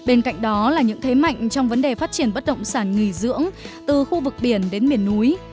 bên cạnh đó là những thế mạnh trong vấn đề phát triển bất động sản nghỉ dưỡng từ khu vực biển đến miền núi